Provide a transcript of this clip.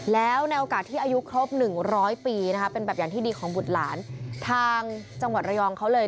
แล้วในโอกาสที่อายุครบ๑๐๐ปีนะคะเป็นแบบอย่างที่ดีของบุตรหลานทางจังหวัดระยองเขาเลย